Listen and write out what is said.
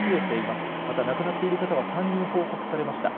また亡くなっている方は３人報告されました。